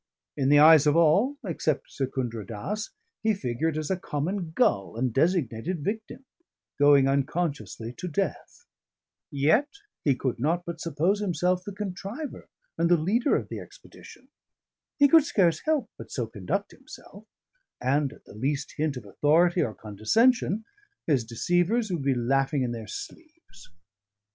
In the eyes of all, except Secundra Dass, he figured as a common gull and designated victim; going unconsciously to death; yet he could not but suppose himself the contriver and the leader of the expedition; he could scarce help but so conduct himself; and at the least hint of authority or condescension, his deceivers would be laughing in their sleeves.